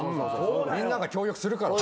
みんなが協力するから。